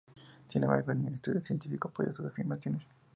Sin embargo, ningún estudio científico apoya sus afirmaciones.